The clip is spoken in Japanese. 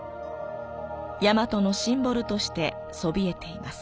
大和のシンボルとしてそびえています。